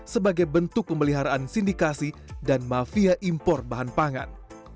sebagai bentuk pemeliharaan sindikasi dan mafia impor bahan pangan